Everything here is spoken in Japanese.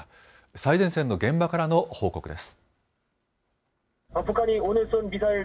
最前線の現場からの報告です。